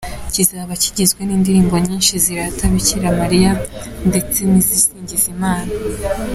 Kizaba kigizwe n’indirimbo nyinshi zirata Bikira Mariya, ndetse n’izisingiza Imana.